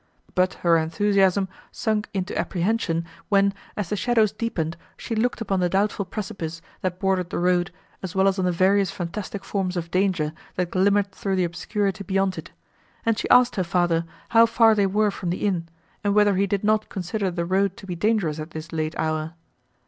But her enthusiasm sunk into apprehension, when, as the shadows deepened, she looked upon the doubtful precipice, that bordered the road, as well as on the various fantastic forms of danger, that glimmered through the obscurity beyond it; and she asked her father, how far they were from the inn, and whether he did not consider the road to be dangerous at this late hour.